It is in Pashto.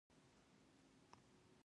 آیا او په پوره تدبیر سره نه وي؟